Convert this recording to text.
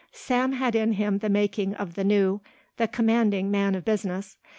Sam had in him the making of the new, the commanding man of business.